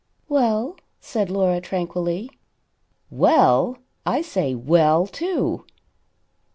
"Well?" said Laura tranquilly. "Well! I say 'Well?' too."